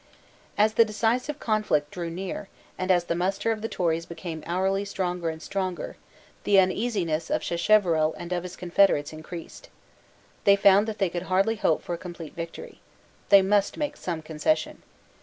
As the decisive conflict drew near, and as the muster of the Tories became hourly stronger and stronger, the uneasiness of Sacheverell and of his confederates increased. They found that they could hardly hope for a complete victory. They must make some concession.